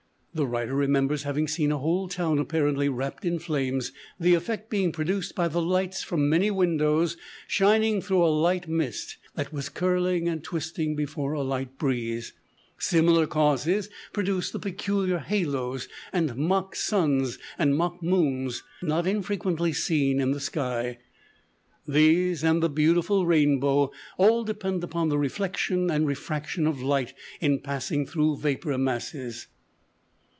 The writer remembers having seen a whole town apparently wrapped in flames, the effect being produced by the lights from many windows shining through a light mist that was curling and twisting before a light breeze. Similar causes produce the peculiar halos and mock suns and mock moons not infrequently seen in the sky. These, and the beautiful rainbow, all depend upon the reflection and refraction of light in passing through vapor masses.